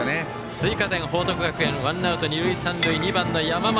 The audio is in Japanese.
追加点、報徳学園ワンアウト、二塁三塁２番の山増。